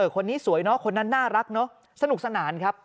คนนี้สวยเนอะคนนั้นน่ารักเนอะสนุกสนานครับ